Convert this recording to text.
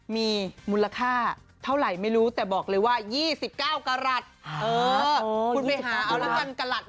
มีมูลค่าเท่าไหร่ไม่รู้แต่บอกเลยว่า๒๙กระหลัด